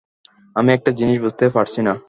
আমি একটা জিনিস বুঝতে পারছিনা।